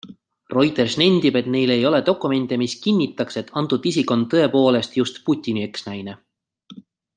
Reuters nendib, et neil ei ole dokumente, mis kinnitaks, et antud isik on tõepoolest just Putini eksnaine.